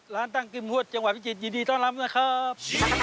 ร้านตั้งกิ้มฮวดจังหวัดพิจิตยินดีต้อนรับนะครับ